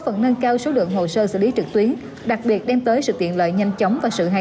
phần nâng cao số lượng hồ sơ xử lý trực tuyến đặc biệt đem tới sự tiện lợi nhanh chóng và sự hài